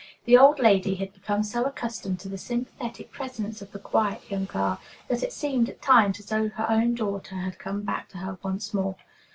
The old lady had become so accustomed to the sympathetic presence of the quiet, young girl that it seemed, at times, as though her own daughter had come back to her once more.